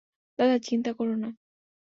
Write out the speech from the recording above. দাদা, চিন্তা কোরো না।